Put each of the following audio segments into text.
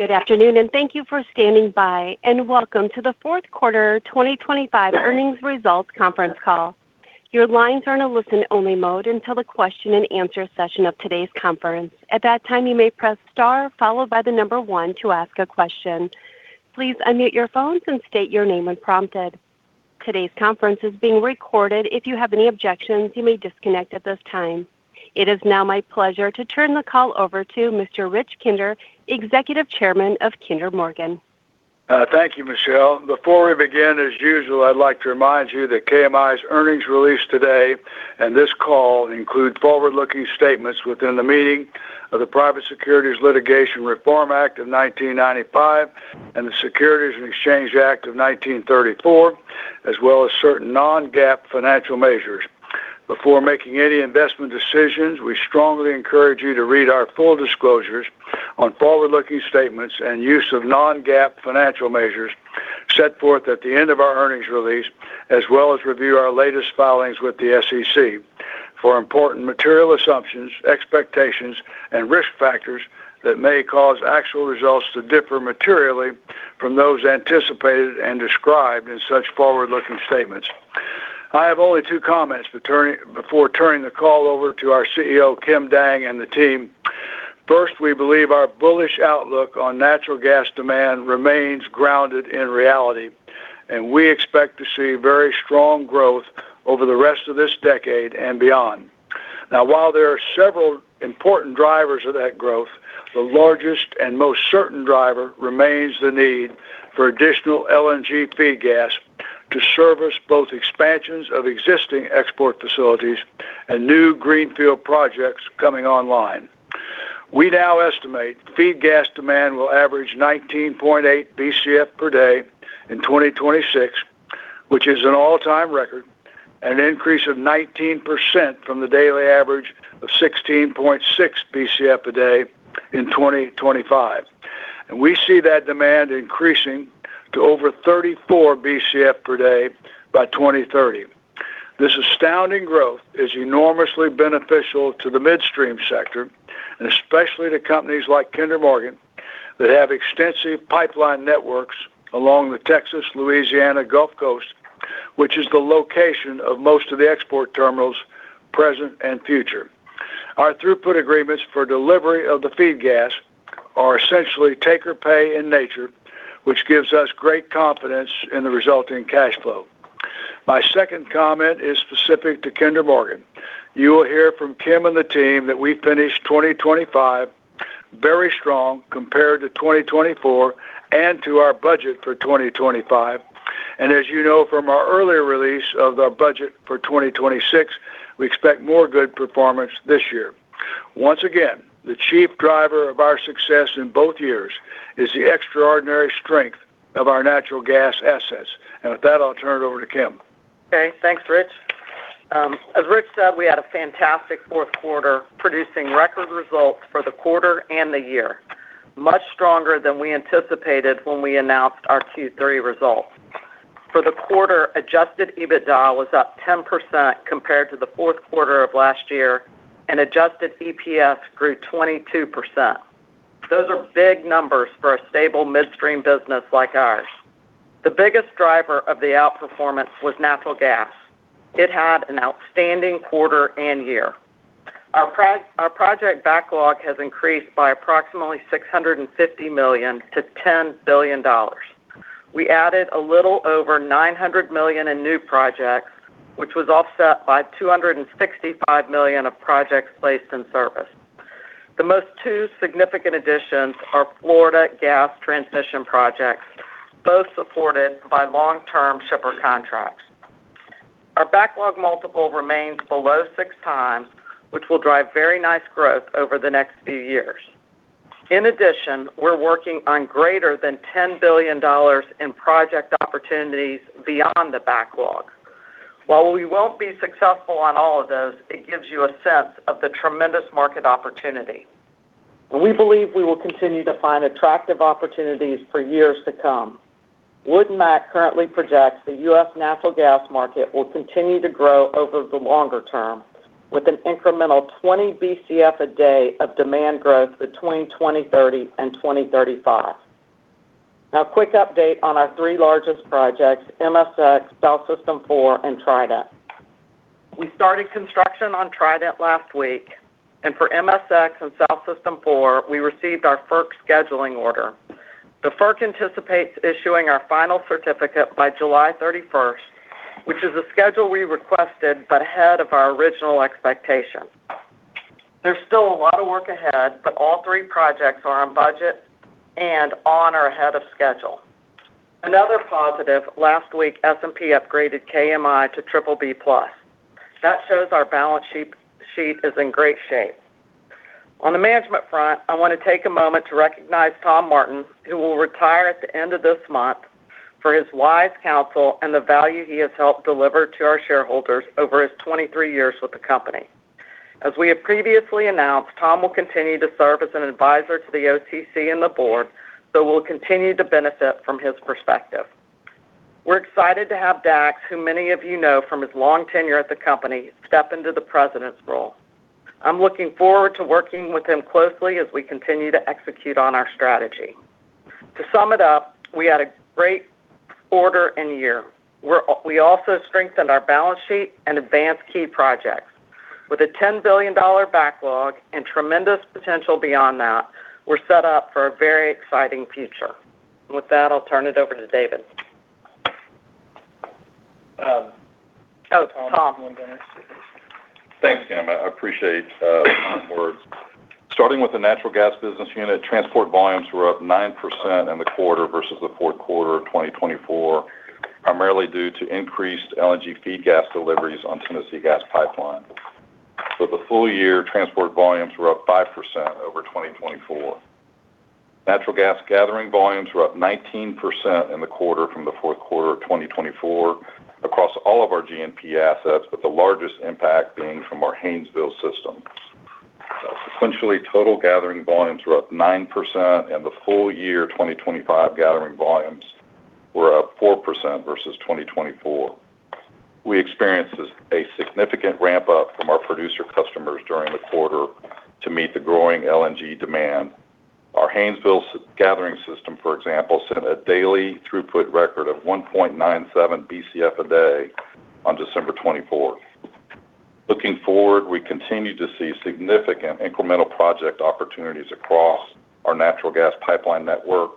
Good afternoon, and thank you for standing by, and welcome to the fourth quarter 2025 earnings results conference call. Your lines are in a listen-only mode until the question-and-answer session of today's conference. At that time, you may press star followed by the number one to ask a question. Please unmute your phones and state your name when prompted. Today's conference is being recorded. If you have any objections, you may disconnect at this time. It is now my pleasure to turn the call over to Mr. Rich Kinder, Executive Chairman of Kinder Morgan. Thank you, Michelle. Before we begin, as usual, I'd like to remind you that KMI's earnings released today and this call include forward-looking statements within the meaning of the Private Securities Litigation Reform Act of 1995 and the Securities and Exchange Act of 1934, as well as certain non-GAAP financial measures. Before making any investment decisions, we strongly encourage you to read our full disclosures on forward-looking statements and use of non-GAAP financial measures set forth at the end of our earnings release, as well as review our latest filings with the SEC for important material assumptions, expectations, and risk factors that may cause actual results to differ materially from those anticipated and described in such forward-looking statements. I have only two comments before turning the call over to our CEO, Kim Dang, and the team. First, we believe our bullish outlook on natural gas demand remains grounded in reality, and we expect to see very strong growth over the rest of this decade and beyond. Now, while there are several important drivers of that growth, the largest and most certain driver remains the need for additional LNG feed gas to service both expansions of existing export facilities and new greenfield projects coming online. We now estimate feed gas demand will average 19.8 BCF per day in 2026, which is an all-time record, an increase of 19% from the daily average of 16.6 BCF a day in 2025. And we see that demand increasing to over 34 BCF per day by 2030. This astounding growth is enormously beneficial to the midstream sector, and especially to companies like Kinder Morgan that have extensive pipeline networks along the Texas-Louisiana Gulf Coast, which is the location of most of the export terminals present and future. Our throughput agreements for delivery of the feed gas are essentially take-or-pay in nature, which gives us great confidence in the resulting cash flow. My second comment is specific to Kinder Morgan. You will hear from Kim and the team that we finished 2025 very strong compared to 2024 and to our budget for 2025, and as you know from our earlier release of the budget for 2026, we expect more good performance this year. Once again, the chief driver of our success in both years is the extraordinary strength of our natural gas assets, and with that, I'll turn it over to Kim. Okay, thanks, Rich. As Rich said, we had a fantastic fourth quarter, producing record results for the quarter and the year, much stronger than we anticipated when we announced our Q3 results. For the quarter, Adjusted EBITDA was up 10% compared to the fourth quarter of last year, and adjusted EPS grew 22%. Those are big numbers for a stable midstream business like ours. The biggest driver of the outperformance was natural gas. It had an outstanding quarter and year. Our project backlog has increased by approximately $650 million to $10 billion. We added a little over $900 million in new projects, which was offset by $265 million of projects placed in service. The most two significant additions are Florida Gas Transmission projects, both supported by long-term shipper contracts. Our backlog multiple remains below six times, which will drive very nice growth over the next few years. In addition, we're working on greater than $10 billion in project opportunities beyond the backlog. While we won't be successful on all of those, it gives you a sense of the tremendous market opportunity. We believe we will continue to find attractive opportunities for years to come. WoodMac currently projects the U.S. natural gas market will continue to grow over the longer term, with an incremental 20 BCF a day of demand growth between 2030 and 2035. Now, a quick update on our three largest projects: MSX, South System 4, and Trident. We started construction on Trident last week, and for MSX and South System 4, we received our FERC scheduling order. The FERC anticipates issuing our final certificate by July 31st, which is a schedule we requested but ahead of our original expectation. There's still a lot of work ahead, but all three projects are on budget and on or ahead of schedule. Another positive, last week, S&P upgraded KMI to BBB Plus. That shows our balance sheet is in great shape. On the management front, I want to take a moment to recognize Tom Martin, who will retire at the end of this month for his wise counsel and the value he has helped deliver to our shareholders over his 23 years with the company. As we have previously announced, Tom will continue to serve as an advisor to the OTC and the board, so we'll continue to benefit from his perspective. We're excited to have Dax, who many of you know from his long tenure at the company, step into the president's role. I'm looking forward to working with him closely as we continue to execute on our strategy. To sum it up, we had a great quarter and year. We also strengthened our balance sheet and advanced key projects. With a $10 billion backlog and tremendous potential beyond that, we're set up for a very exciting future. With that, I'll turn it over to David. Thanks, Kim. I appreciate the kind words. Starting with the natural gas business unit, transport volumes were up 9% in the quarter versus the fourth quarter of 2024, primarily due to increased LNG feed gas deliveries on Tennessee Gas Pipeline. For the full year, transport volumes were up 5% over 2024. Natural gas gathering volumes were up 19% in the quarter from the fourth quarter of 2024 across all of our G&P assets, with the largest impact being from our Haynesville system. Sequentially, total gathering volumes were up 9%, and the full year 2025 gathering volumes were up 4% versus 2024. We experienced a significant ramp-up from our producer customers during the quarter to meet the growing LNG demand. Our Haynesville gathering system, for example, set a daily throughput record of 1.97 BCF a day on December 24th. Looking forward, we continue to see significant incremental project opportunities across our natural gas pipeline network.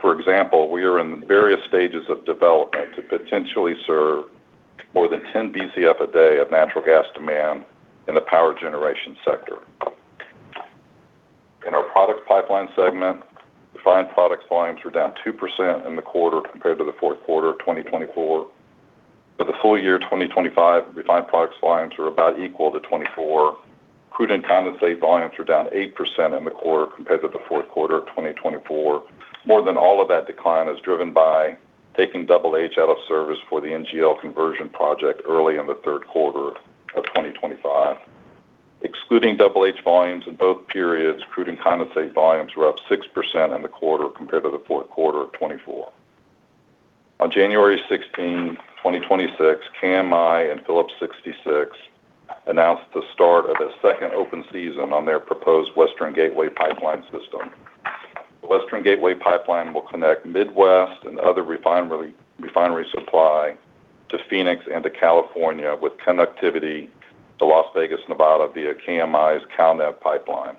For example, we are in various stages of development to potentially serve more than 10 BCF a day of natural gas demand in the power generation sector. In our product pipeline segment, refined products volumes were down 2% in the quarter compared to the fourth quarter of 2024. For the full year 2025, refined products volumes were about equal to 2024. Crude and condensate volumes were down 8% in the quarter compared to the fourth quarter of 2024. More than all of that decline is driven by taking Double H out of service for the NGL conversion project early in the third quarter of 2025. Excluding Double H volumes in both periods, crude and condensate volumes were up 6% in the quarter compared to the fourth quarter of 2024. On January 16, 2026, KMI and Phillips 66 announced the start of a second open season on their proposed Western Gateway Pipeline System. The Western Gateway Pipeline will connect Midwest and other refinery supply to Phoenix and to California with connectivity to Las Vegas, Nevada, via KMI's CalNev pipeline.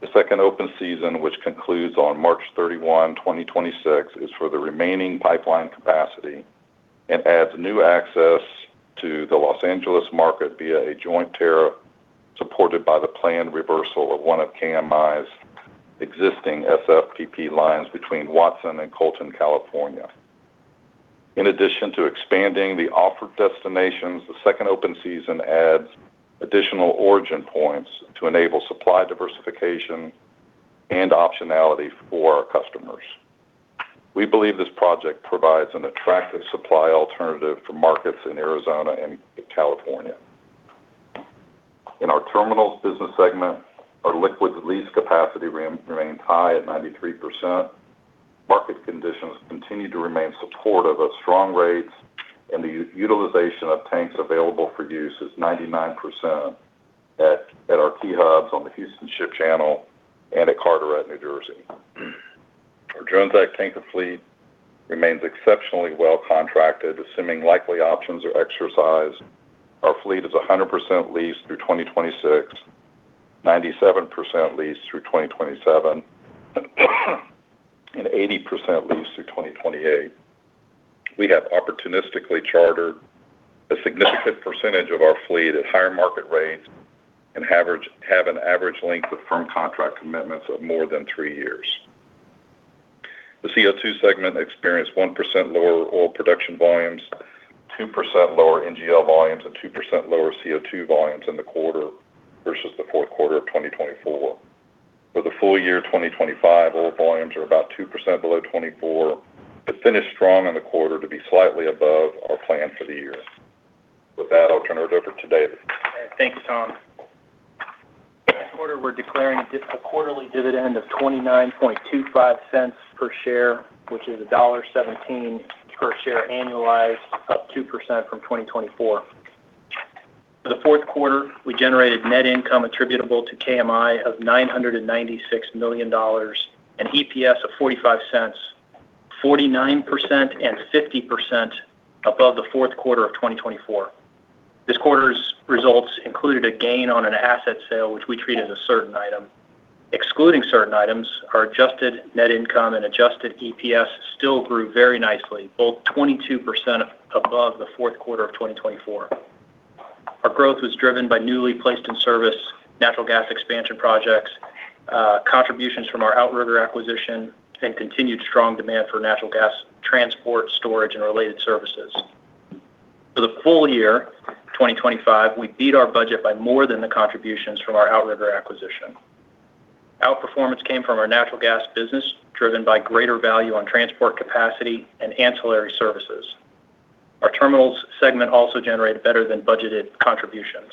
The second open season, which concludes on March 31, 2026, is for the remaining pipeline capacity and adds new access to the Los Angeles market via a joint tariff supported by the planned reversal of one of KMI's existing SFPP lines between Watson and Colton, California. In addition to expanding the offered destinations, the second open season adds additional origin points to enable supply diversification and optionality for our customers. We believe this project provides an attractive supply alternative for markets in Arizona and California. In our terminals business segment, our liquid lease capacity remains high at 93%. Market conditions continue to remain supportive of strong rates, and the utilization of tanks available for use is 99% at our key hubs on the Houston Ship Channel and at Carteret, New Jersey. Our Jones Act tanker fleet remains exceptionally well contracted, assuming likely options are exercised. Our fleet is 100% leased through 2026, 97% leased through 2027, and 80% leased through 2028. We have opportunistically chartered a significant percentage of our fleet at higher market rates and have an average length of firm contract commitments of more than three years. The CO2 segment experienced 1% lower oil production volumes, 2% lower NGL volumes, and 2% lower CO2 volumes in the quarter versus the fourth quarter of 2024. For the full year 2025, oil volumes are about 2% below 24, but finished strong in the quarter to be slightly above our plan for the year. With that, I'll turn it over to David. Thank you, Tom. Second, we're declaring a quarterly dividend of $0.2925 per share, which is $1.17 per share annualized, up 2% from 2024. For the fourth quarter, we generated net income attributable to KMI of $996 million and EPS of $0.45, 49% and 50% above the fourth quarter of 2024. This quarter's results included a gain on an asset sale, which we treat as a certain item. Excluding certain items, our adjusted net income and adjusted EPS still grew very nicely, both 22% above the fourth quarter of 2024. Our growth was driven by newly placed in service natural gas expansion projects, contributions from our Outrigger acquisition, and continued strong demand for natural gas transport, storage, and related services. For the full year 2025, we beat our budget by more than the contributions from our Outrigger acquisition. Outperformance came from our natural gas business, driven by greater value on transport capacity and ancillary services. Our terminals segment also generated better than budgeted contributions.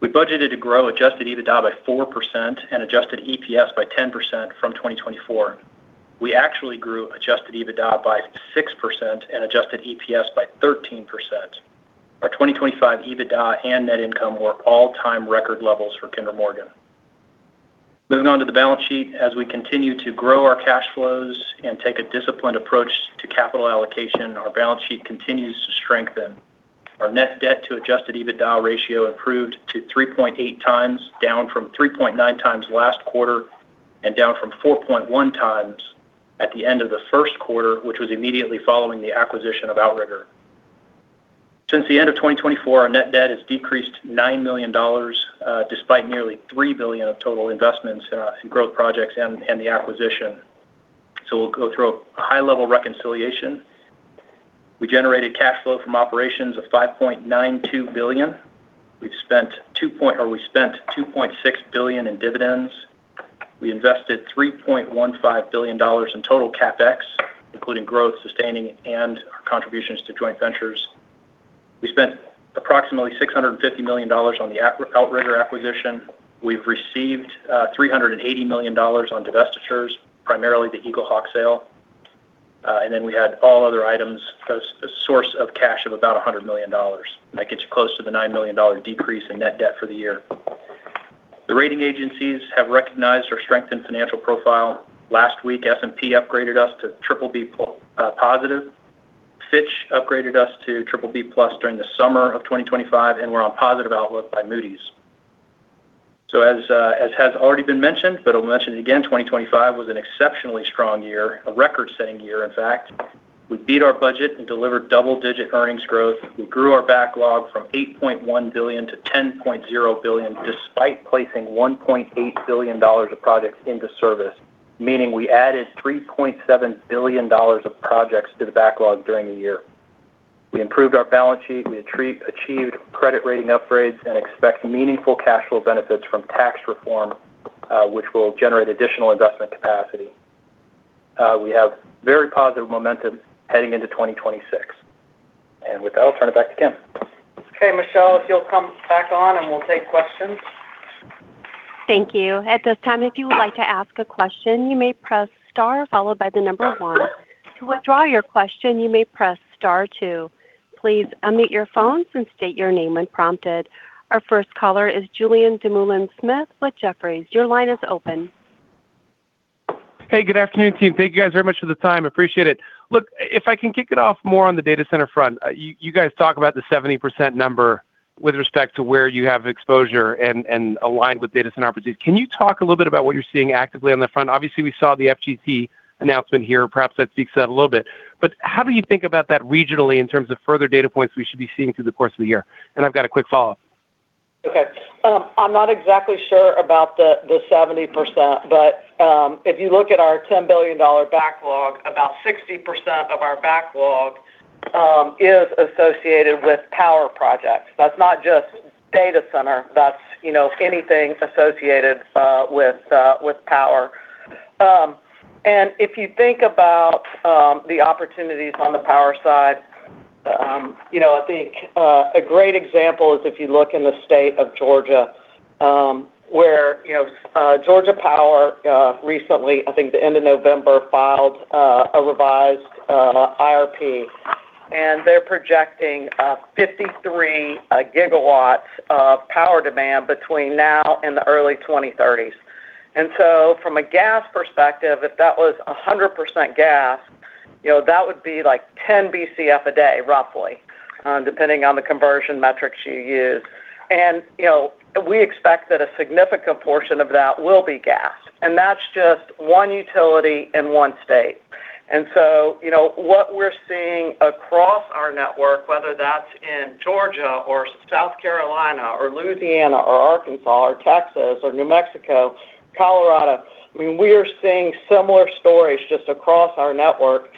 We budgeted to grow Adjusted EBITDA by 4% and Adjusted EPS by 10% from 2024. We actually grew Adjusted EBITDA by 6% and Adjusted EPS by 13%. Our 2025 EBITDA and net income were all-time record levels for Kinder Morgan. Moving on to the balance sheet, as we continue to grow our cash flows and take a disciplined approach to capital allocation, our balance sheet continues to strengthen. Our net debt to Adjusted EBITDA ratio improved to 3.8 times, down from 3.9 times last quarter and down from 4.1 times at the end of the first quarter, which was immediately following the acquisition of Outrigger. Since the end of 2024, our net debt has decreased $9 million, despite nearly $3 billion of total investments in growth projects and the acquisition. So we'll go through a high-level reconciliation. We generated cash flow from operations of $5.92 billion. We spent $2.6 billion in dividends. We invested $3.15 billion in total CapEx, including growth, sustaining, and our contributions to joint ventures. We spent approximately $650 million on the Outrigger acquisition. We've received $380 million on divestitures, primarily the EagleHawk sale. And then we had all other items, a source of cash of about $100 million. That gets you close to the $9 million decrease in net debt for the year. The rating agencies have recognized our strengthened financial profile. Last week, S&P upgraded us to BBB Positive. Fitch upgraded us to BBB Plus during the summer of 2025, and we're on positive outlook by Moody's. So, as has already been mentioned, but I'll mention it again, 2025 was an exceptionally strong year, a record-setting year, in fact. We beat our budget and delivered double-digit earnings growth. We grew our backlog from $8.1 billion-$10.0 billion despite placing $1.8 billion of projects into service, meaning we added $3.7 billion of projects to the backlog during the year. We improved our balance sheet. We achieved credit rating upgrades and expect meaningful cash flow benefits from tax reform, which will generate additional investment capacity. We have very positive momentum heading into 2026. And with that, I'll turn it back to Kim. Okay, Michelle, if you'll come back on and we'll take questions. Thank you. At this time, if you would like to ask a question, you may press Star, followed by the number one. To withdraw your question, you may press Star 2. Please unmute your phones and state your name when prompted. Our first caller is Julian Dumoulin-Smith with Jefferies. Your line is open. Hey, good afternoon, team. Thank you guys very much for the time. Appreciate it. Look, if I can kick it off more on the data center front, you guys talk about the 70% number with respect to where you have exposure and aligned with data center opportunities. Can you talk a little bit about what you're seeing actively on the front? Obviously, we saw the FGT announcement here. Perhaps that speaks to that a little bit. But how do you think about that regionally in terms of further data points we should be seeing through the course of the year? And I've got a quick follow-up. Okay. I'm not exactly sure about the 70%, but if you look at our $10 billion backlog, about 60% of our backlog is associated with power projects. That's not just data center. That's anything associated with power. And if you think about the opportunities on the power side, I think a great example is if you look in the state of Georgia, where Georgia Power recently, I think the end of November, filed a revised IRP, and they're projecting 53 gigawatts of power demand between now and the early 2030s. And so, from a gas perspective, if that was 100% gas, that would be like 10 BCF a day, roughly, depending on the conversion metrics you use. And we expect that a significant portion of that will be gas. And that's just one utility in one state. And so what we're seeing across our network, whether that's in Georgia or South Carolina or Louisiana or Arkansas or Texas or New Mexico, Colorado, I mean, we are seeing similar stories just across our network.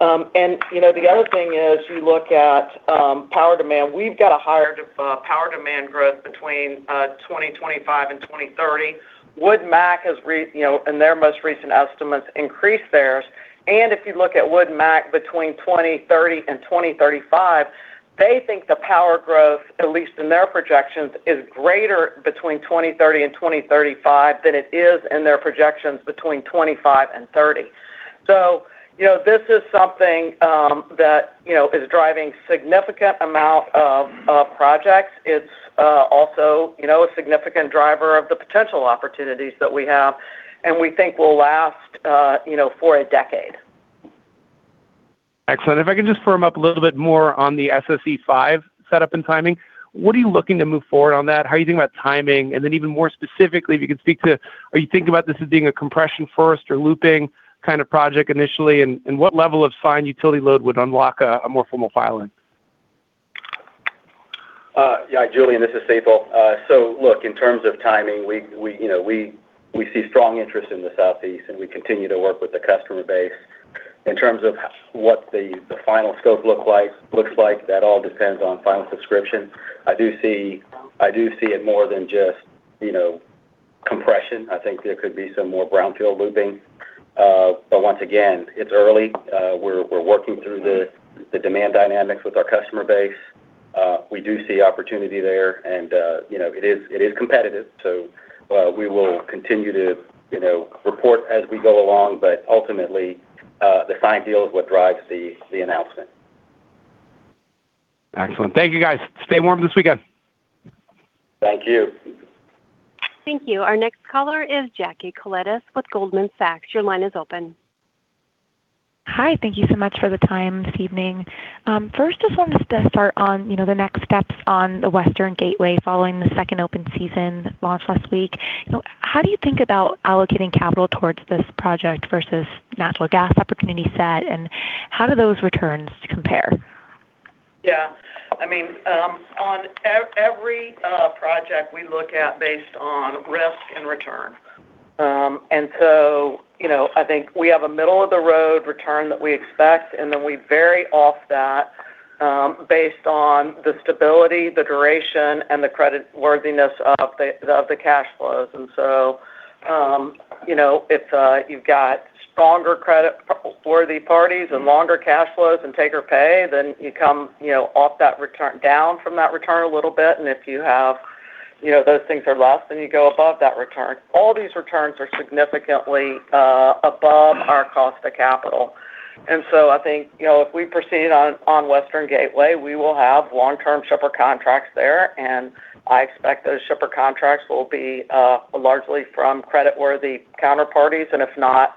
And the other thing is, you look at power demand, we've got a higher power demand growth between 2025 and 2030. Wood Mackenzie has, in their most recent estimates, increased theirs. And if you look at Wood Mackenzie between 2030 and 2035, they think the power growth, at least in their projections, is greater between 2030 and 2035 than it is in their projections between 2025 and 2030. So this is something that is driving a significant amount of projects. It's also a significant driver of the potential opportunities that we have, and we think will last for a decade. Excellent. If I can just firm up a little bit more on the SS5 setup and timing, what are you looking to move forward on that? How are you thinking about timing? And then even more specifically, if you could speak to, are you thinking about this as being a compression-first or looping kind of project initially? And what level of firm utility load would unlock a more formal filing? Yeah, Julian, this is Sital. So look, in terms of timing, we see strong interest in the Southeast, and we continue to work with the customer base. In terms of what the final scope looks like, that all depends on final subscription. I do see it more than just compression. I think there could be some more brownfield looping. But once again, it's early. We're working through the demand dynamics with our customer base. We do see opportunity there, and it is competitive. So we will continue to report as we go along, but ultimately, the final deal is what drives the announcement. Excellent. Thank you, guys. Stay warm this weekend. Thank you. Thank you. Our next caller is Jackie Koletas with Goldman Sachs. Your line is open. Hi. Thank you so much for the time this evening. First, I just wanted to start on the next steps on the Western Gateway following the second open season launched last week. How do you think about allocating capital towards this project versus natural gas opportunity set, and how do those returns compare? Yeah. I mean, on every project, we look at based on risk and return. And so I think we have a middle-of-the-road return that we expect, and then we vary off that based on the stability, the duration, and the creditworthiness of the cash flows. And so if you've got stronger creditworthy parties and longer cash flows and take-or-pay, then you come off that return down from that return a little bit. And if you have those things are less, then you go above that return. All these returns are significantly above our cost of capital. And so I think if we proceed on Western Gateway, we will have long-term shipper contracts there, and I expect those shipper contracts will be largely from creditworthy counterparties. And if not,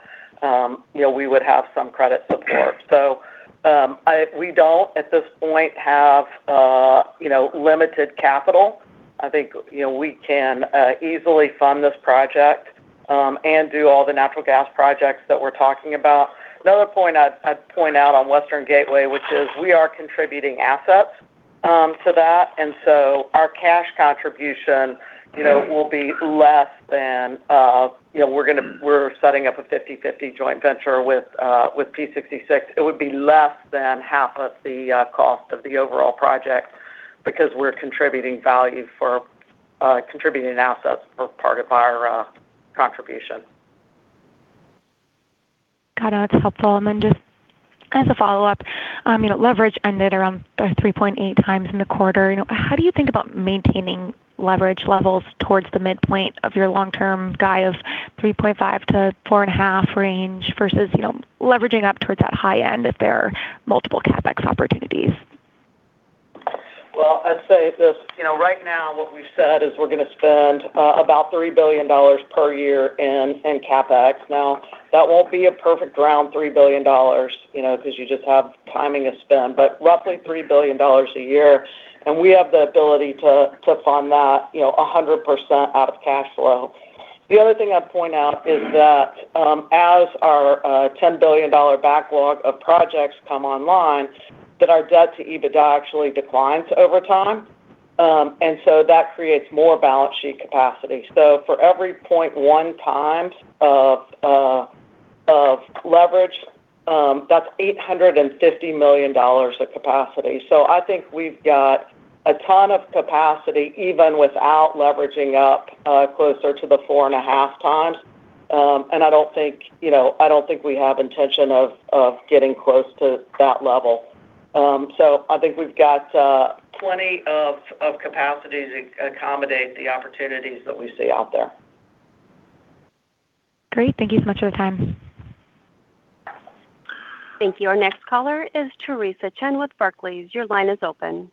we would have some credit support. So we don't, at this point, have limited capital. I think we can easily fund this project and do all the natural gas projects that we're talking about. Another point I'd point out on Western Gateway, which is we are contributing assets to that. And so our cash contribution will be less than we're setting up a 50/50 joint venture with P66. It would be less than half of the cost of the overall project because we're contributing value for contributing assets for part of our contribution. Got it. That's helpful. And then just as a follow-up, leverage ended around 3.8 times in the quarter. How do you think about maintaining leverage levels towards the midpoint of your long-term guidance of 3.5-4.5 range versus leveraging up towards that high end if there are multiple CapEx opportunities? I'd say right now, what we've said is we're going to spend about $3 billion per year in CapEx. Now, that won't be a perfect round $3 billion because you just have timing to spend, but roughly $3 billion a year. And we have the ability to fund that 100% out of cash flow. The other thing I'd point out is that as our $10 billion backlog of projects come online, that our debt to EBITDA actually declines over time. And so that creates more balance sheet capacity. So for every 0.1 times of leverage, that's $850 million of capacity. So I think we've got a ton of capacity even without leveraging up closer to the 4.5 times. And I don't think we have intention of getting close to that level. So I think we've got plenty of capacity to accommodate the opportunities that we see out there. Great. Thank you so much for the time. Thank you. Our next caller is Theresa Chen with Barclays. Your line is open.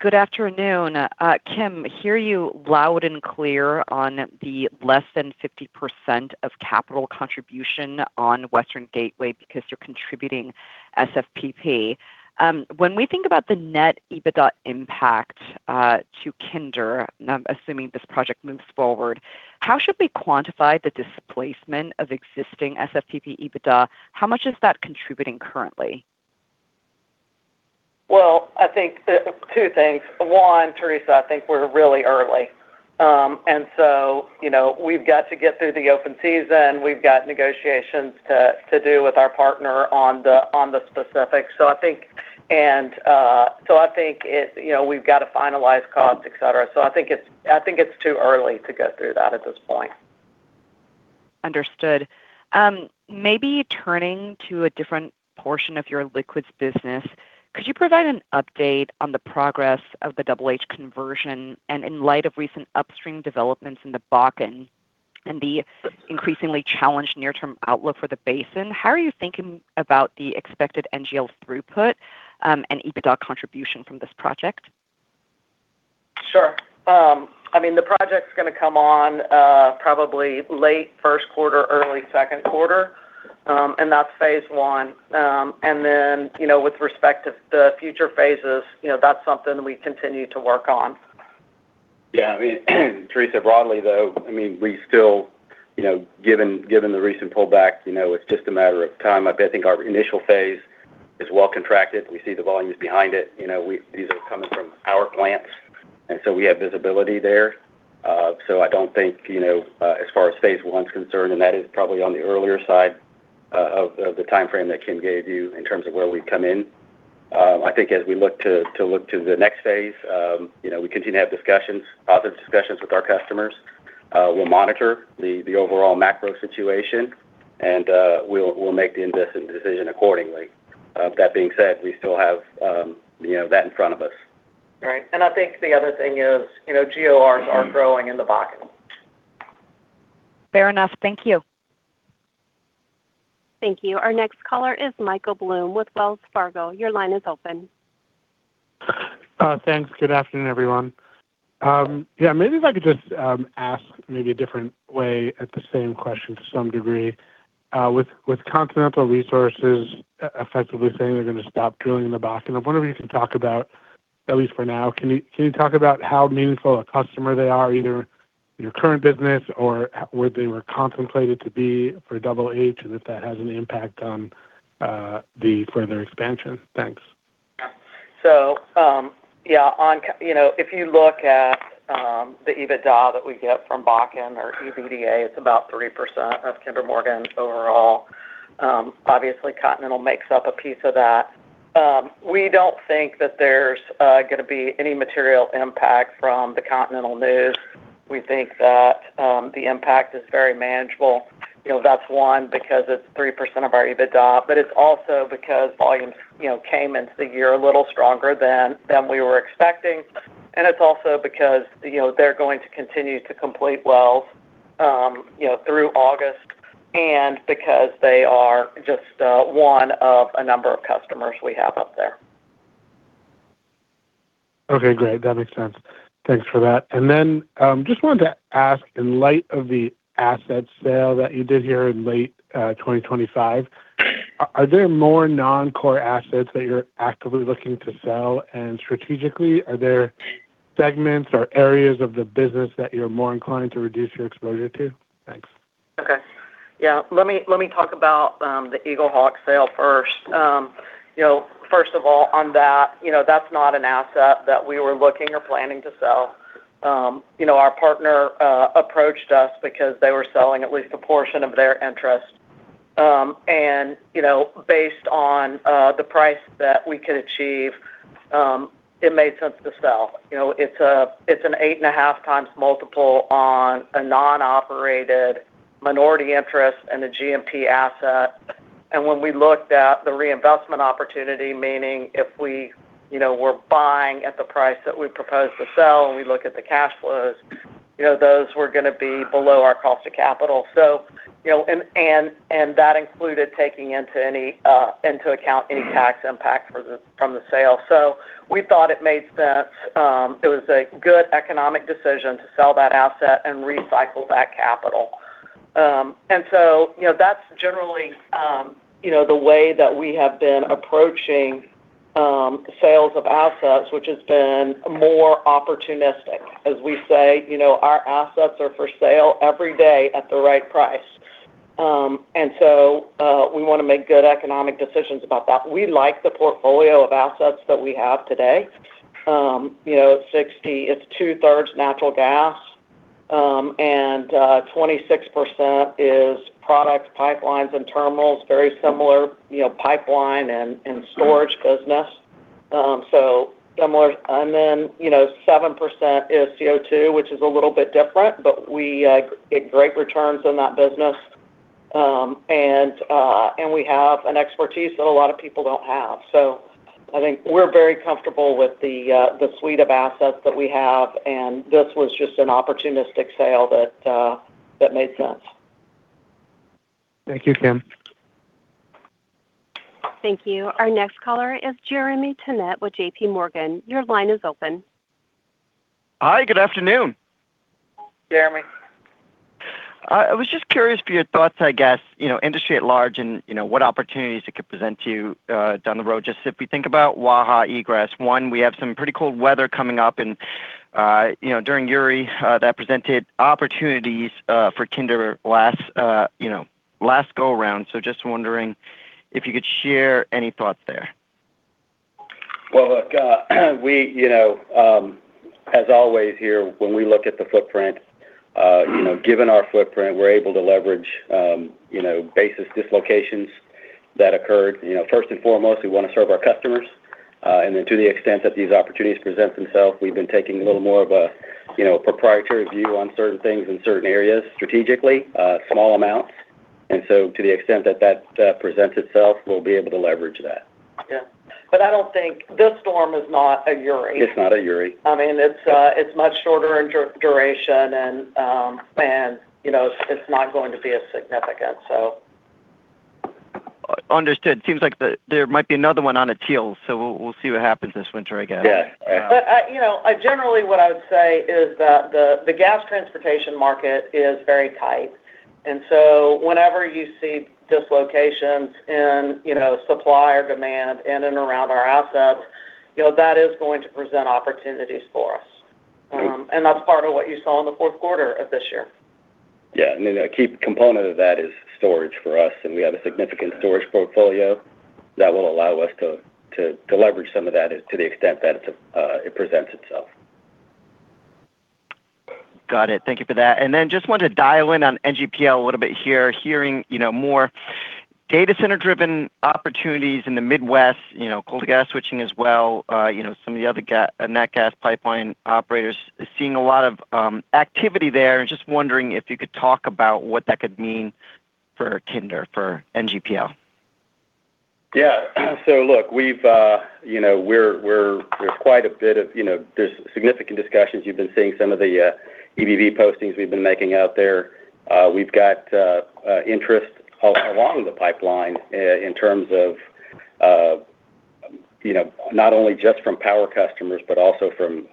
Good afternoon. Kim, hear you loud and clear on the less than 50% of capital contribution on Western Gateway because you're contributing SFPP. When we think about the net EBITDA impact to Kinder, and I'm assuming this project moves forward, how should we quantify the displacement of existing SFPP EBITDA? How much is that contributing currently? I think two things. One, Theresa, I think we're really early. And so we've got to get through the open season. We've got negotiations to do with our partner on the specifics. So I think, and so I think we've got to finalize costs, etc. So I think it's too early to go through that at this point. Understood. Maybe turning to a different portion of your liquids business, could you provide an update on the progress of the Double H conversion and in light of recent upstream developments in the Bakken and the increasingly challenged near-term outlook for the basin? How are you thinking about the expected NGL throughput and EBITDA contribution from this project? Sure. I mean, the project's going to come on probably late first quarter, early second quarter. And that's phase one. And then with respect to the future phases, that's something we continue to work on. Yeah. I mean, Theresa, broadly, though, I mean, we still, given the recent pullback, it's just a matter of time. I think our initial phase is well contracted. We see the volumes behind it. These are coming from our plants. And so we have visibility there. So I don't think as far as phase one's concerned, and that is probably on the earlier side of the timeframe that Kim gave you in terms of where we've come in. I think as we look to the next phase, we continue to have discussions, positive discussions with our customers. We'll monitor the overall macro situation, and we'll make the investment decision accordingly. That being said, we still have that in front of us. Right, and I think the other thing is GORs are growing in the Bakken. Fair enough. Thank you. Thank you. Our next caller is Michael Blum with Wells Fargo. Your line is open. Thanks. Good afternoon, everyone. Yeah, maybe if I could just ask maybe a different way at the same question to some degree. With Continental Resources effectively saying they're going to stop drilling in the Bakken, I wonder if you can talk about, at least for now, can you talk about how meaningful a customer they are, either your current business or where they were contemplated to be for Double H, and if that has an impact on the further expansion? Thanks. Yeah. So yeah, if you look at the EBITDA that we get from Bakken or EBITDA, it's about 3% of Kinder Morgan overall. Obviously, Continental makes up a piece of that. We don't think that there's going to be any material impact from the Continental news. We think that the impact is very manageable. That's one because it's 3% of our EBITDA, but it's also because volumes came into the year a little stronger than we were expecting. And it's also because they're going to continue to complete wells through August and because they are just one of a number of customers we have up there. Okay. Great. That makes sense. Thanks for that. And then just wanted to ask, in light of the asset sale that you did here in late 2025, are there more non-core assets that you're actively looking to sell? And strategically, are there segments or areas of the business that you're more inclined to reduce your exposure to? Thanks. Okay. Yeah. Let me talk about the EagleHawk sale first. First of all, on that, that's not an asset that we were looking or planning to sell. Our partner approached us because they were selling at least a portion of their interest. And based on the price that we could achieve, it made sense to sell. It's an 8.5 times multiple on a non-operated minority interest and a G&T asset. And when we looked at the reinvestment opportunity, meaning if we were buying at the price that we proposed to sell and we look at the cash flows, those were going to be below our cost of capital. And that included taking into account any tax impact from the sale. So we thought it made sense. It was a good economic decision to sell that asset and recycle that capital. And so that's generally the way that we have been approaching sales of assets, which has been more opportunistic. As we say, our assets are for sale every day at the right price. And so we want to make good economic decisions about that. We like the portfolio of assets that we have today. It's two-thirds natural gas, and 26% is products, pipelines, and terminals, very similar pipeline and storage business. So similar. And then 7% is CO2, which is a little bit different, but we get great returns in that business. And we have an expertise that a lot of people don't have. So I think we're very comfortable with the suite of assets that we have, and this was just an opportunistic sale that made sense. Thank you, Kim. Thank you. Our next caller is Jeremy Tonet with JPMorgan. Your line is open. Hi. Good afternoon. Jeremy. I was just curious for your thoughts, I guess, industry at large and what opportunities it could present to you down the road. Just if we think about Waha egress, one, we have some pretty cold weather coming up. And during Uri, that presented opportunities for Kinder last go-around. So just wondering if you could share any thoughts there. Look, as always here, when we look at the footprint, given our footprint, we're able to leverage basis dislocations that occurred. First and foremost, we want to serve our customers, and then to the extent that these opportunities present themselves, we've been taking a little more of a proprietary view on certain things in certain areas strategically, small amounts, and so to the extent that that presents itself, we'll be able to leverage that. Yeah. But I don't think this storm is not a Uri. It's not a Uri. I mean, it's much shorter in duration, and it's not going to be as significant, so. Understood. It seems like there might be another one on its heels. So we'll see what happens this winter, I guess. Yeah. But generally, what I would say is that the gas transportation market is very tight. And so whenever you see dislocations in supply or demand in and around our assets, that is going to present opportunities for us. And that's part of what you saw in the fourth quarter of this year. Yeah. And then a key component of that is storage for us. And we have a significant storage portfolio that will allow us to leverage some of that to the extent that it presents itself. Got it. Thank you for that. And then just wanted to dial in on NGPL a little bit here. Hearing more data center-driven opportunities in the Midwest, coal-to-gas switching as well, some of the other net gas pipeline operators seeing a lot of activity there. And just wondering if you could talk about what that could mean for Kinder, for NGPL. Yeah. So look, there's significant discussions. You've been seeing some of the EBB postings we've been making out there. We've got interest along the pipeline in terms of not only just from power customers, but also from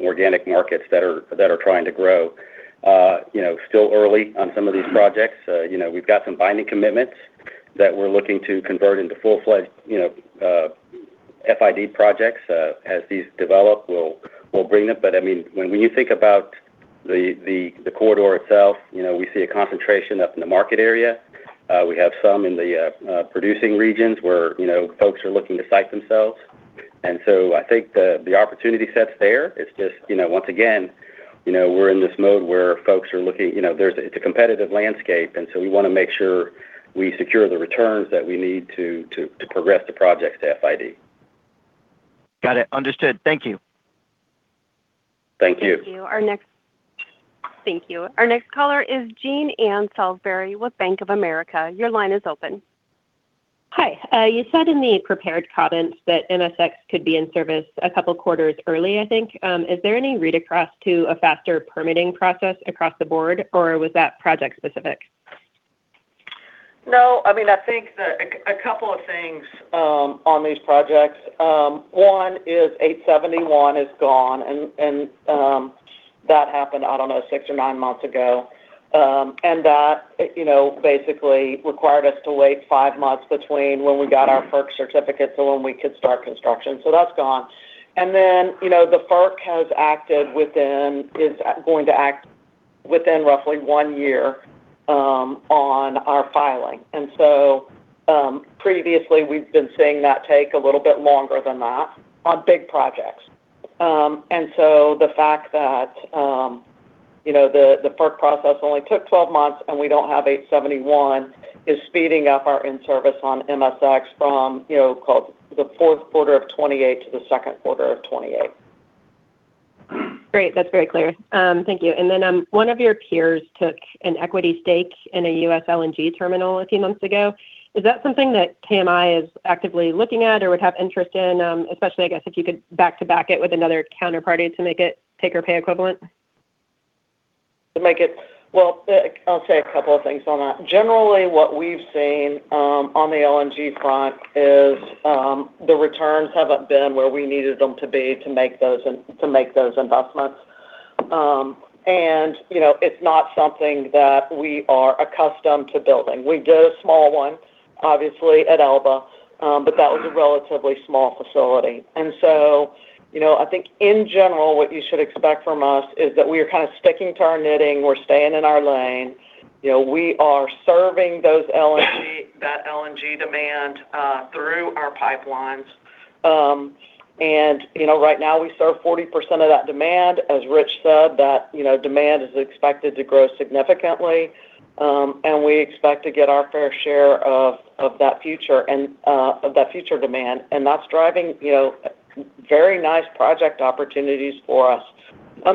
organic markets that are trying to grow. Still early on some of these projects. We've got some binding commitments that we're looking to convert into full-fledged FID projects. As these develop, we'll bring them. But I mean, when you think about the corridor itself, we see a concentration up in the market area. We have some in the producing regions where folks are looking to site themselves. And so I think the opportunity sets there. It's just, once again, we're in this mode where folks are looking. It's a competitive landscape. And so we want to make sure we secure the returns that we need to progress the projects to FID. Got it. Understood. Thank you. Thank you. Thank you. Our next caller is Jean Ann Salisbury with Bank of America. Your line is open. Hi. You said in the prepared comments that MSX could be in service a couple of quarters early, I think. Is there any read across to a faster permitting process across the board, or was that project-specific? No. I mean, I think a couple of things on these projects. One is 871 is gone, and that happened, I don't know, six or nine months ago, and that basically required us to wait five months between when we got our FERC certificate to when we could start construction. So that's gone, and then the FERC has acted within is going to act within roughly one year on our filing, and so previously, we've been seeing that take a little bit longer than that on big projects, and so the fact that the FERC process only took 12 months and we don't have 871 is speeding up our in-service on MSX from the fourth quarter of 2028 to the second quarter of 2028. Great. That's very clear. Thank you. And then one of your peers took an equity stake in a U.S. LNG terminal a few months ago. Is that something that KMI is actively looking at or would have interest in, especially, I guess, if you could back-to-back it with another counterparty to make it pay-for-pay equivalent? To make it well, I'll say a couple of things on that. Generally, what we've seen on the LNG front is the returns haven't been where we needed them to be to make those investments. And it's not something that we are accustomed to building. We did a small one, obviously, at Elba, but that was a relatively small facility. And so I think, in general, what you should expect from us is that we are kind of sticking to our knitting. We're staying in our lane. We are serving that LNG demand through our pipelines. And right now, we serve 40% of that demand. As Rich said, that demand is expected to grow significantly. And we expect to get our fair share of that future demand. And that's driving very nice project opportunities for us.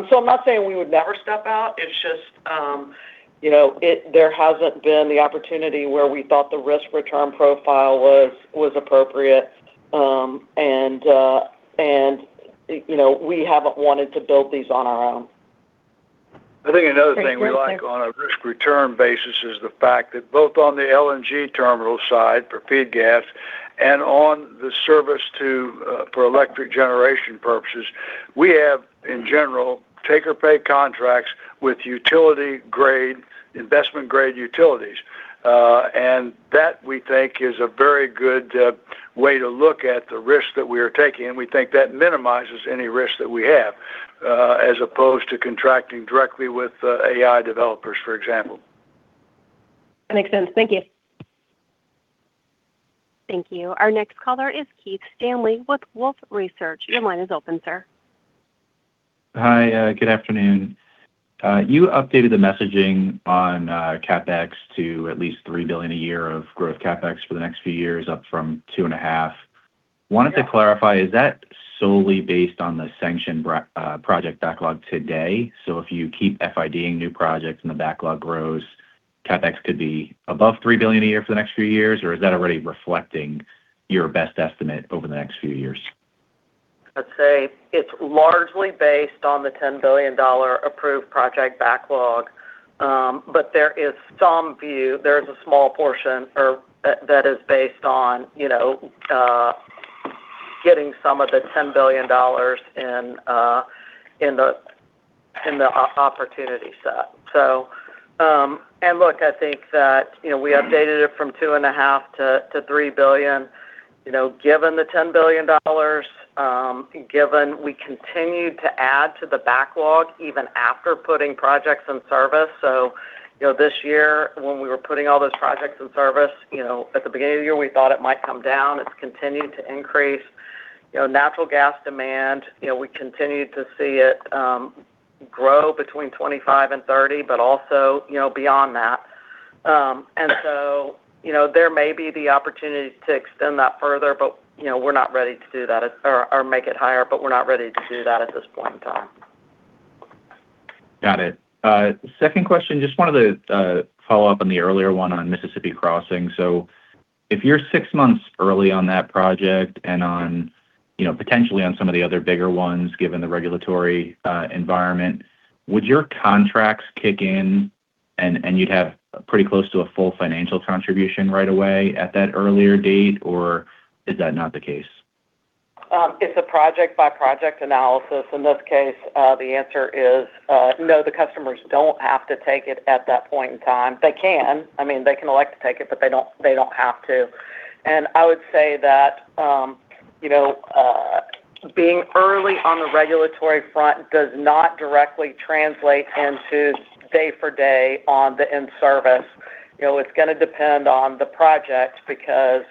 So I'm not saying we would never step out. It's just there hasn't been the opportunity where we thought the risk-return profile was appropriate, and we haven't wanted to build these on our own. I think another thing we like on a risk-return basis is the fact that both on the LNG terminal side for feed gas and on the service for electric generation purposes, we have, in general, take-or-pay contracts with utility-grade, investment-grade utilities. And that, we think, is a very good way to look at the risk that we are taking. And we think that minimizes any risk that we have as opposed to contracting directly with AI developers, for example. That makes sense. Thank you. Thank you. Our next caller is Keith Stanley with Wolfe Research. Your line is open, sir. Hi. Good afternoon. You updated the messaging on CapEx to at least $3 billion a year of growth CapEx for the next few years, up from $2.5 billion. Wanted to clarify, is that solely based on the sanctioned project backlog today? So if you keep FIDing new projects and the backlog grows, CapEx could be above $3 billion a year for the next few years, or is that already reflecting your best estimate over the next few years? Let's see. It's largely based on the $10 billion approved project backlog. But there is some view there is a small portion that is based on getting some of the $10 billion in the opportunity set. And look, I think that we updated it from $2.5 billion to $3 billion, given the $10 billion, given we continued to add to the backlog even after putting projects in service. So this year, when we were putting all those projects in service, at the beginning of the year, we thought it might come down. It's continued to increase. Natural gas demand, we continued to see it grow between 25 and 30, but also beyond that. And so there may be the opportunity to extend that further, but we're not ready to do that or make it higher, but we're not ready to do that at this point in time. Got it. Second question, just wanted to follow up on the earlier one on Mississippi Crossing. So if you're six months early on that project and potentially on some of the other bigger ones, given the regulatory environment, would your contracts kick in and you'd have pretty close to a full financial contribution right away at that earlier date, or is that not the case? It's a project-by-project analysis. In this case, the answer is no, the customers don't have to take it at that point in time. They can. I mean, they can elect to take it, but they don't have to. And I would say that being early on the regulatory front does not directly translate into day-for-day on the in-service. It's going to depend on the project because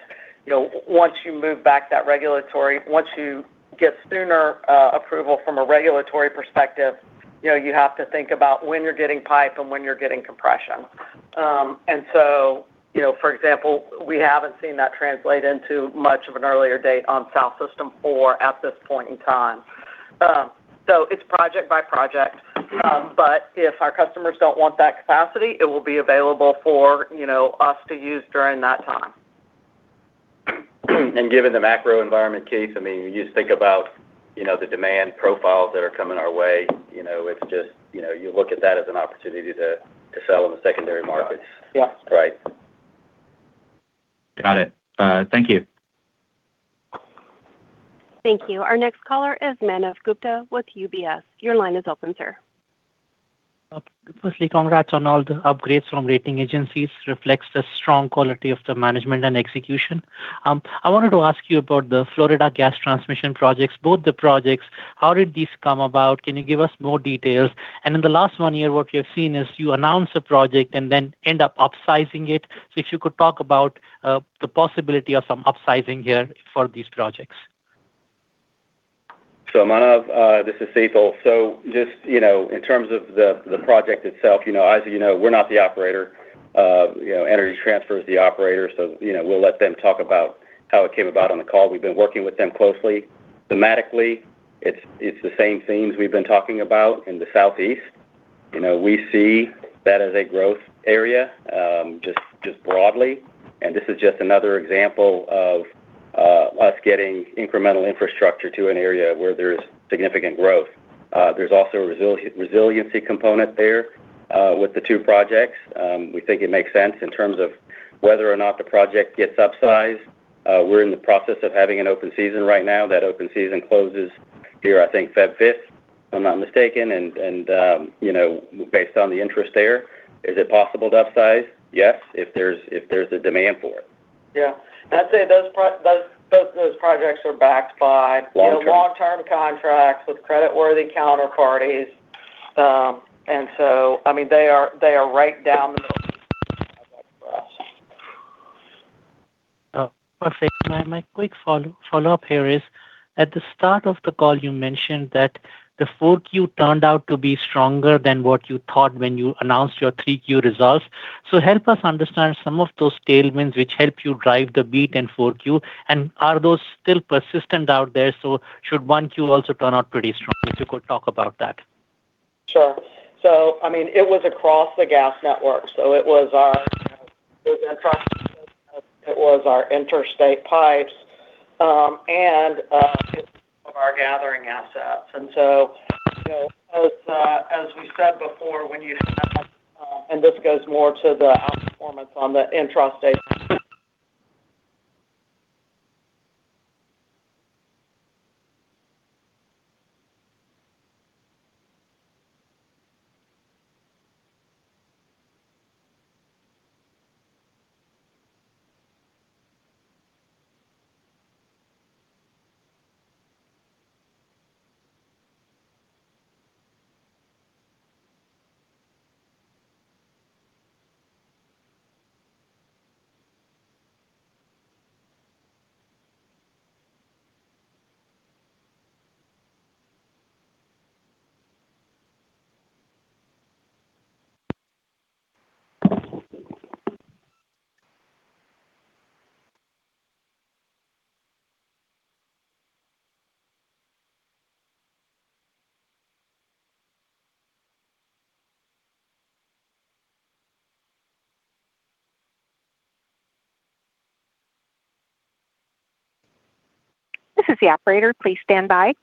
once you get sooner approval from a regulatory perspective, you have to think about when you're getting pipe and when you're getting compression. And so, for example, we haven't seen that translate into much of an earlier date on South System 4 at this point in time. So it's project-by-project. But if our customers don't want that capacity, it will be available for us to use during that time. And given the macro environment, Keith, I mean, you just think about the demand profiles that are coming our way. It's just you look at that as an opportunity to sell in the secondary markets. Yeah. Right. Got it. Thank you. Thank you. Our next caller is Manav Gupta with UBS. Your line is open, sir. Firstly, congrats on all the upgrades from rating agencies. Reflects the strong quality of the management and execution. I wanted to ask you about the Florida Gas Transmission projects, both the projects. How did these come about? Can you give us more details? And in the last one year, what we have seen is you announce a project and then end up upsizing it. So if you could talk about the possibility of some upsizing here for these projects. Manav, this is Sital. Just in terms of the project itself, as you know, we're not the operator. Energy Transfer is the operator. We'll let them talk about how it came about on the call. We've been working with them closely. Thematically, it's the same themes we've been talking about in the Southeast. We see that as a growth area just broadly. This is just another example of us getting incremental infrastructure to an area where there is significant growth. There's also a resiliency component there with the two projects. We think it makes sense in terms of whether or not the project gets upsized. We're in the process of having an open season right now. That open season closes here, I think, February 5, if I'm not mistaken. Based on the interest there, is it possible to upsize? Yes, if there's a demand for it. Yeah. I'd say both those projects are backed by long-term contracts with creditworthy counterparties, and so, I mean, they are right down the middle of the pipeline for us. Perfect. My quick follow-up here is, at the start of the call, you mentioned that the 4Q turned out to be stronger than what you thought when you announced your 3Q results. So help us understand some of those tailwinds which help you drive the beat in 4Q. And are those still persistent out there? So should 1Q also turn out pretty strong? If you could talk about that. Sure. So, I mean, it was across the gas network. So it was our interstate pipes and some of our gathering assets. And so, as we said before, when you have—and this goes more to the outperformance on the intrastate— This is the operator. Please stand by.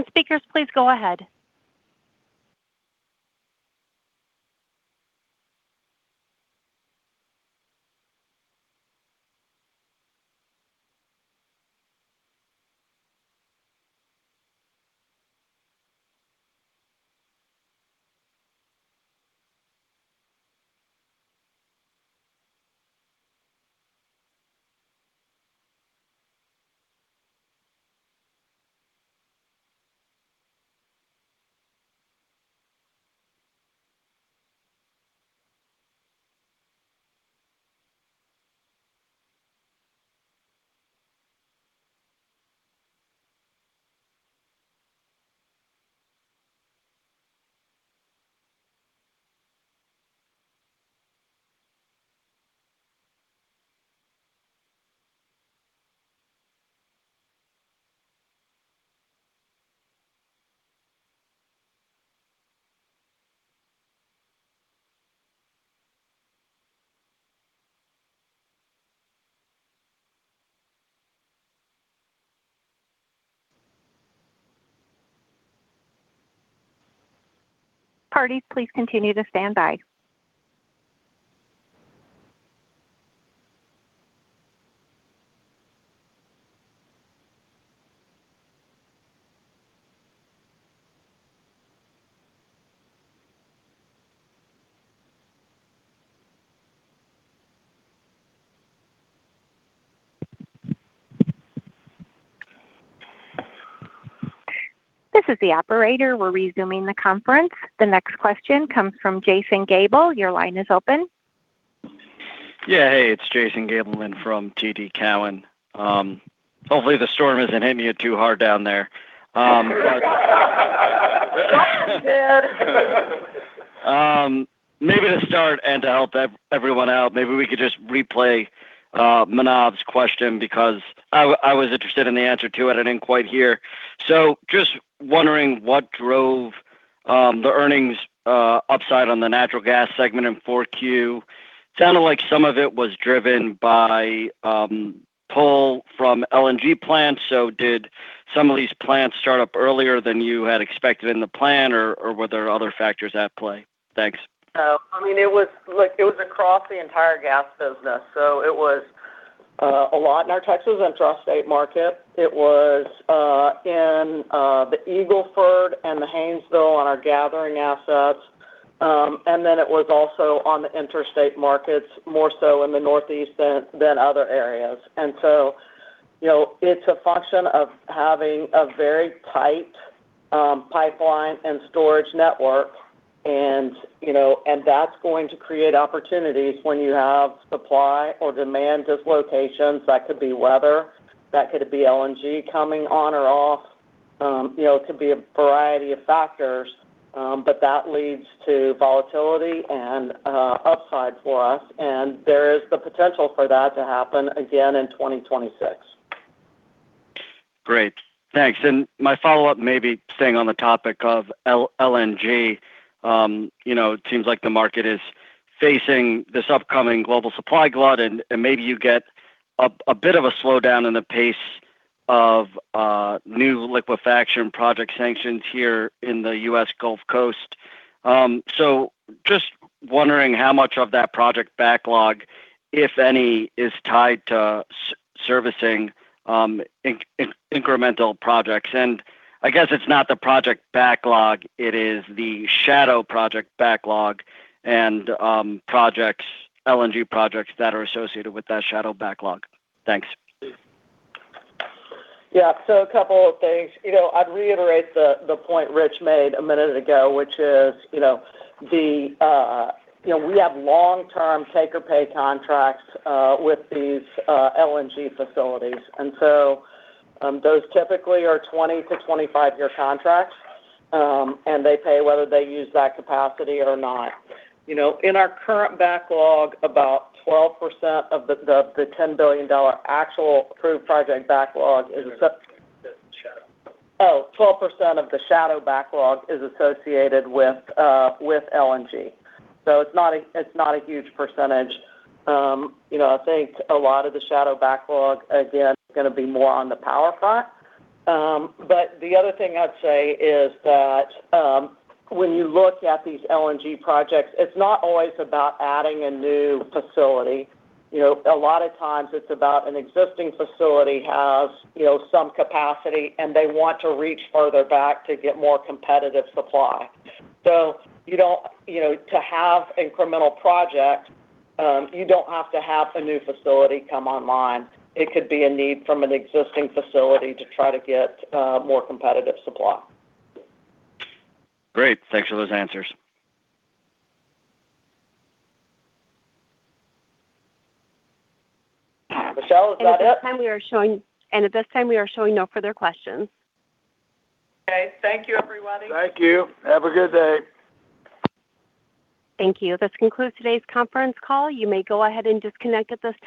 And speakers, please go ahead. Pardon, please continue to stand by. This is the operator. We're resuming the conference. The next question comes from Jason Gabelman. Your line is open. Yeah. Hey, it's Jason Gabelman from TD Cowen. Hopefully, the storm isn't hitting you too hard down there. Yeah. Maybe to start and to help everyone out, maybe we could just replay Manav's question because I was interested in the answer to it. I didn't quite hear. So just wondering what drove the earnings upside on the natural gas segment in 4Q. Sounded like some of it was driven by pull from LNG plants. So did some of these plants start up earlier than you had expected in the plan, or were there other factors at play? Thanks. I mean, it was across the entire gas business. So it was a lot in our Texas intrastate market. It was in the Eagle Ford and the Haynesville on our gathering assets. And then it was also on the interstate markets, more so in the Northeast than other areas. And so it's a function of having a very tight pipeline and storage network. And that's going to create opportunities when you have supply or demand dislocations. That could be weather. That could be LNG coming on or off. It could be a variety of factors, but that leads to volatility and upside for us. And there is the potential for that to happen again in 2026. Great. Thanks. And my follow-up, maybe staying on the topic of LNG, it seems like the market is facing this upcoming global supply glut, and maybe you get a bit of a slowdown in the pace of new liquefaction project sanctions here in the US Gulf Coast. So just wondering how much of that project backlog, if any, is tied to servicing incremental projects. And I guess it's not the project backlog. It is the shadow project backlog and LNG projects that are associated with that shadow backlog. Thanks. Yeah. So a couple of things. I'd reiterate the point Rich made a minute ago, which is we have long-term take-or-pay contracts with these LNG facilities. And so those typically are 20-25-year contracts, and they pay whether they use that capacity or not. In our current backlog, about 12% of the $10 billion actual approved project backlog is associated with the shadow. Oh, 12% of the shadow backlog is associated with LNG. So it's not a huge percentage. I think a lot of the shadow backlog, again, is going to be more on the power front. But the other thing I'd say is that when you look at these LNG projects, it's not always about adding a new facility. A lot of times, it's about an existing facility has some capacity, and they want to reach further back to get more competitive supply. So to have incremental projects, you don't have to have a new facility come online. It could be a need from an existing facility to try to get more competitive supply. Great. Thanks for those answers. Michelle, is that it? At this time, we are showing no further questions. Okay. Thank you, everybody. Thank you. Have a good day. Thank you. This concludes today's conference call. You may go ahead and disconnect at this.